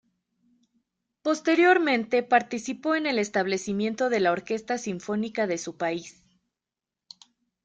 Posteriormente participó en el establecimiento de la Orquesta Sinfónica de su país.